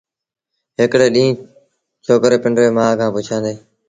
هڪڙي ڏيݩهݩ ڇوڪري پنڊريٚ مآ کآݩ پُڇيآݩدي